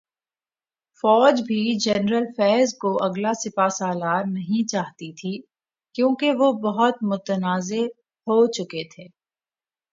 فوج بھی جنرل فیض کو اگلا سپاسالار نہیں چاہتی تھی، کیونکہ وہ بہت متنازع ہوچکے تھے۔۔